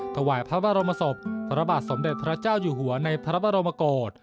ถวายพระบรมศพพระบาทสมเด็จพระเจ้าอยู่หัวในพระบรมโกศ